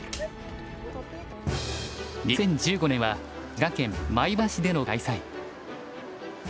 ２０１５年は滋賀県・米原市での開催。